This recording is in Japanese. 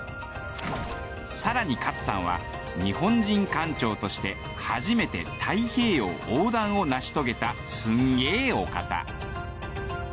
更に勝さんは日本人艦長として初めて太平洋横断を成し遂げたすんげえお方！